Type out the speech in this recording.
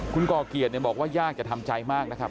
คุณก่อเกียรติบอกว่ายากจะทำใจมากนะครับ